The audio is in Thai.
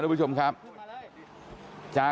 กลับไปลองกลับ